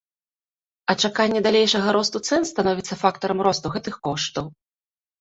А чаканне далейшага росту цэн становіцца фактарам росту гэтых коштаў.